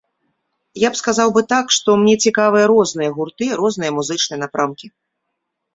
Я б сказаў бы так, што мне цікавыя розныя гурты, розныя музычныя напрамкі.